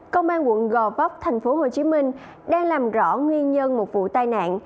công an quận gò vấp tp hcm đang làm rõ nguyên nhân một vụ tai nạn